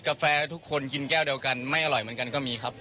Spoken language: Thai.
แฟทุกคนกินแก้วเดียวกันไม่อร่อยเหมือนกันก็มีครับ